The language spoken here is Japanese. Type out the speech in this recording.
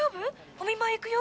お見舞い行くよ！